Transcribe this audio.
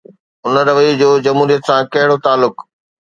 ان رويي جو جمهوريت سان ڪهڙو تعلق؟